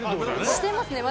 してますね。